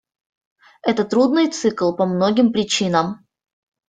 Это трудный цикл по многим причинам.